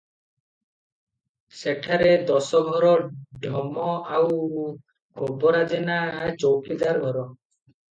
ସେଠାରେ ଦଶଘର ଡମ ଆଉ ଗୋବରା ଜେନା ଚୌକିଦାର ଘର ।